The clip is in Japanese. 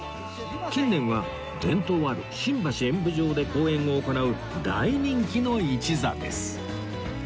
近年は伝統ある新橋演舞場で公演を行う大人気の一座です